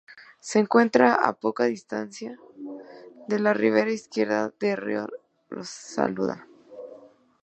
Se encuentra a poco distancia de la ribera izquierda del río Saluda.